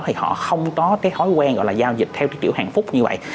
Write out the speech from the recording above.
thì họ không có hói quen gọi là giao dịch theo tiểu hàng phút như vậy